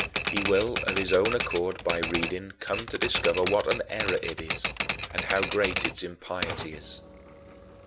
He will of his own accord, by reading, come to discover what an error it is and how great its impiety is."